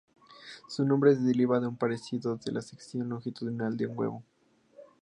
Su nombre deriva de su parecido con la sección longitudinal de un huevo.